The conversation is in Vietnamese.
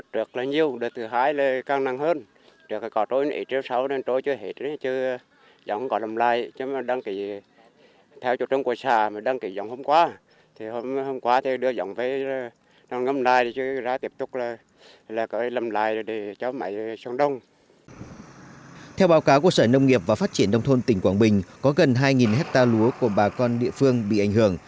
theo báo cáo của sở nông nghiệp và phát triển đông thôn tỉnh quảng bình có gần hai hecta lúa của bà con địa phương bị ảnh hưởng